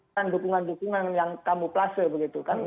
bukan dukungan dukungan yang kamuflase begitu kan